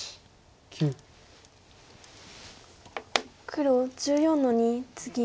黒１４の二ツギ。